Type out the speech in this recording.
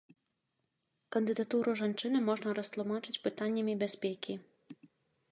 Кандыдатуру жанчыны можна растлумачыць пытаннямі бяспекі.